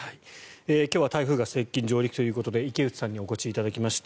今日は台風が接近・上陸ということで池内さんにお越しいただきました。